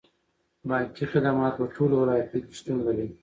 بانکي خدمات په ټولو ولایتونو کې شتون لري.